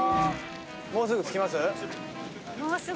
「もうすぐ着きます？」